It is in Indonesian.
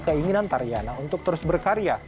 keinginan tariana untuk terus berkarya